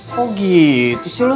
kok gitu sih lo